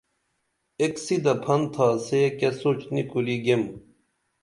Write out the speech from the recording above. ایک سِدہ پھن تھا سے کیہ سوچ نی کُری گیم